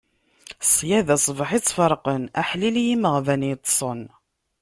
Ṣṣyada, ṣbaḥ i tt-ferqen; aḥlil i yimeɣban yeṭṭsen.